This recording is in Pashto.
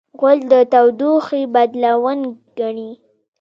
غول د تودوخې بدلون ګڼي.